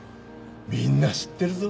みんな知ってるぞ。